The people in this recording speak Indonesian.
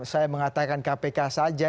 saya mengatakan kpk saja